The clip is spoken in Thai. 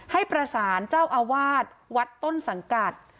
ให้ประสานเจ้าอาวาสวัดต้นสังกัด